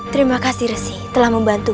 terima kasih resi telah membantu